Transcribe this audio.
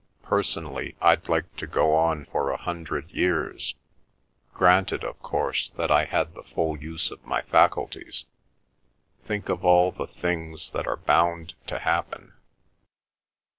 Personally, I'd like to go on for a hundred years—granted, of course, that I had the full use of my faculties. Think of all the things that are bound to happen!"